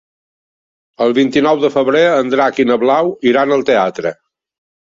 El vint-i-nou de febrer en Drac i na Blau iran al teatre.